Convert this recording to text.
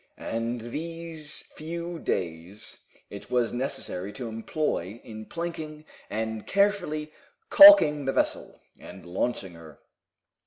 And these few days it was necessary to employ in planking and carefully calking the vessel, and launching her.